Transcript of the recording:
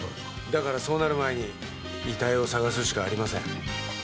だから、そうなる前に遺体を探すしかありません。